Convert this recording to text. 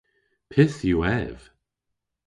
Pyth yw ev?